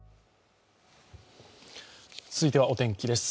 続いてはお天気です。